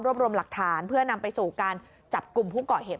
รวมรวมหลักฐานเพื่อนำไปสู่การจับกลุ่มผู้เกาะเหตุ